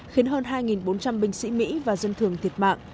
khiến hơn hai bốn trăm linh binh sĩ mỹ và dân thường thiệt mạng